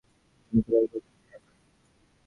বসন্ত রায় কহিলেন, হাঁ ভাই।